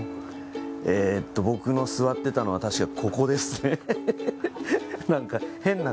えと僕の座ってたのは確かここですね。